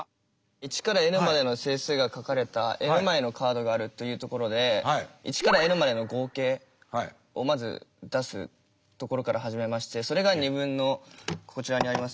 １からｎまでの整数が書かれたｎ枚のカードがあるというところで１からｎまでの合計をまず出すところから始めましてそれが２分のこちらにあります